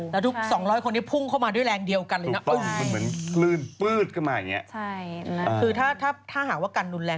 แล้วทุก๒๐๐คนพุ่งเข้ามาด้วยแรงเดียวกันเลยนะปื้ดขึ้นมาอย่างนี้